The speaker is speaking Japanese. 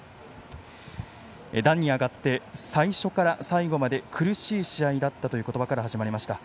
壇に上がって最初から最後まで苦しい試合だったという言葉から始まりました。